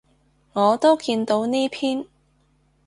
我都見到呢篇